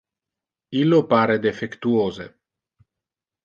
Illo pare defectuose.